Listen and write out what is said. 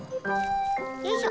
よいしょ。